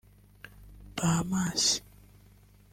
Bahamas